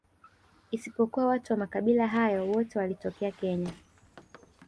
Isipokuwa watu wa makabila haya wote walitokea Kenya